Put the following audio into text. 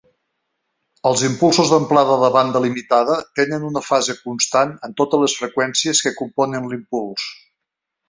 Els impulsos d'amplada de banda limitada tenen una fase constant en totes les freqüències que componen l'impuls.